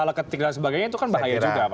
ala ketik dan sebagainya itu kan bahaya juga pak